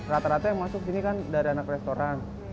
rata rata yang masuk sini kan dari anak restoran